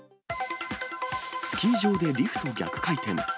スキー場でリフト逆回転。